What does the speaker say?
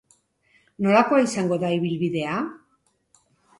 Nolakoa izango da ibilbidea?